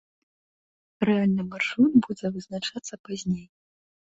Рэальны маршрут будзе вызначацца пазней.